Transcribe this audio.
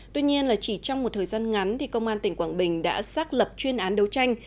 tuy nhiên là chỉ trong một thời gian ngắn thì công an tỉnh quảng bình đã xác lập chuyên án đấu tranh